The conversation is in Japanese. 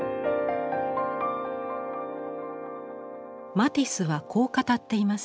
マティスはこう語っています。